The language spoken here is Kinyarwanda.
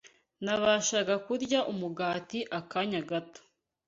Nabashaga kurya umugati akanya gato